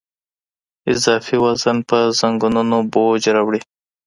اضافي وزن په زنګونونو بوج راوړي.